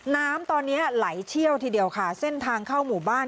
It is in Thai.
น้ำตอนนี้ไหลเชี่ยวทีเดียวค่ะเส้นทางเข้าหมู่บ้าน